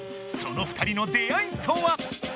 その２人の出会いとは？